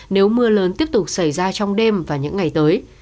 nếu mưa lớn tiếp tục xảy ra trong đêm và những ngày tới